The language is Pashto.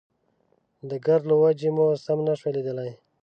د ګرد له وجې مو سم نه شو ليدلی.